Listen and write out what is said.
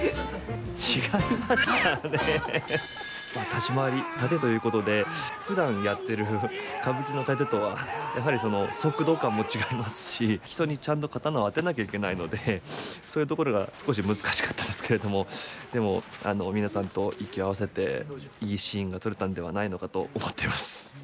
立ち回り殺陣ということでふだんやってる人にちゃんと刀を当てなきゃいけないのでそういうところが少し難しかったですけれどもでも皆さんと息を合わせていいシーンが撮れたんではないのかと思ってます。